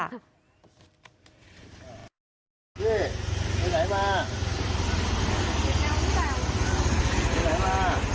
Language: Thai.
พี่ไปไหนมา